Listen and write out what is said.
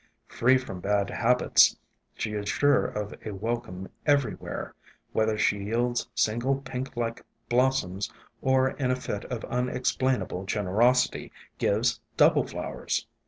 Free from bad habits, she is sure of a welcome everywhere, whether she yields single pink like blossoms, or in a fit of un explainable generosity gives double flowers.